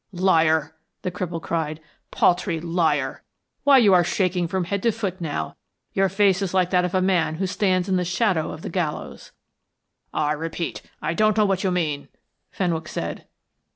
"Liar!" the cripple cried. "Paltry liar! Why, you are shaking from head to foot now your face is like that of a man who stands in the shadow of the gallows." "I repeat, I don't know what you mean," Fenwick said.